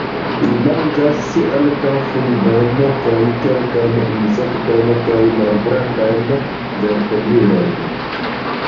Ili manĝas ankaŭ fungojn, kaj kelkajn insektojn kaj malgrandajn vertebrulojn.